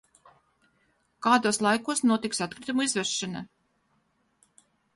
Kādos laikos notiks atkritumu izvešana?